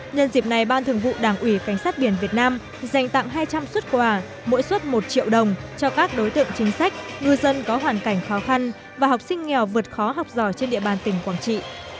nhân dịp này ban thường vụ đảng ủy cảnh sát biển việt nam dành tặng hai trăm linh xuất quà mỗi xuất một triệu đồng cho các đối tượng chính sách ngư dân có hoàn cảnh khó khăn và học sinh nghèo vượt khó học giỏi trên địa bàn tỉnh quảng trị